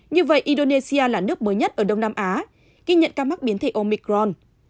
như vậy indonesia là nước mới nhất ở đông nam á ghi nhận ca mắc biến thể omicron